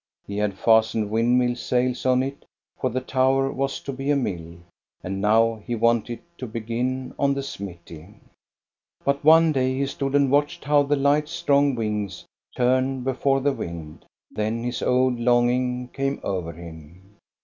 He had fastened windmill sails on it, — for the tower was to be a mill, — and now he wanted to begin on the smithy. But one day he stood and watched how the light, strong wings turned before the wind. Then his old longing came over him.